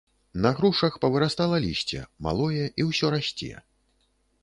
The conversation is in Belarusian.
На грушах павырастала лісце, малое і ўсё расце.